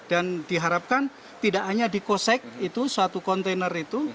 dan diharapkan tidak hanya dikosek itu suatu kontainer itu